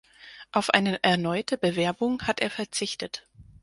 Auf eine erneute Bewerbung hat er verzichtet.